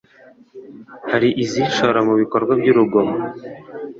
hari izishora mu bikorwa by'urugomo